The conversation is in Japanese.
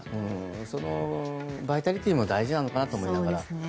そのバイタリティーも大事なのかなと思いながら。